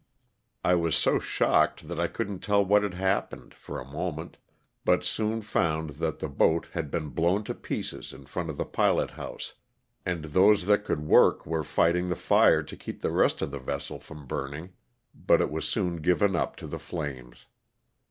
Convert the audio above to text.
I was so shocked that I couldn't tell what had happened, for a moment, but soon found that the boat had been LOSS OF THE SULTAliTA. 363 blown to pieces in front of the pilot house and those that could work were fighting the fire to keep the rest of the vessel from burning, but it was soon given up to the flames.